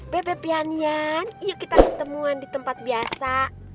bebek pianian yuk kita ketemuan di tempat biasa